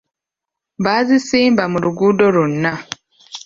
Baazisimba mu luguudo lwonna!